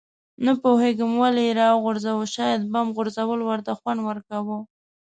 نه پوهېږم ولې یې راوغورځاوه، شاید بم غورځول ورته خوند ورکاوه.